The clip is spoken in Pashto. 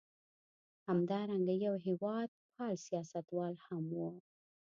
همدارنګه یو هېواد پال سیاستوال هم و.